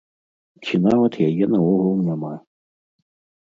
Ці нават яе наогул няма.